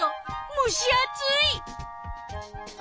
むし暑い！